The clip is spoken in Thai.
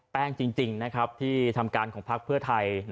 แป้งจริงนะครับที่ทำการของภักดิ์เพื่อไทย